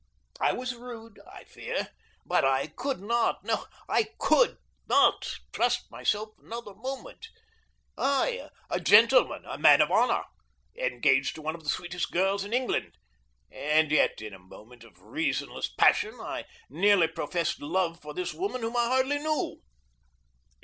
I was rude, I fear, but I could not, no, I COULD not, trust myself another moment. I, a gentleman, a man of honor, engaged to one of the sweetest girls in England and yet in a moment of reasonless passion I nearly professed love for this woman whom I hardly know.